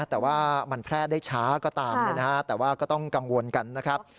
แต่ว่ามันแพร่ได้ช้าก็ตามแต่ว่าก็ต้องกังวลกันนะครับ